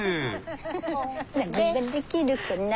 何ができるかな。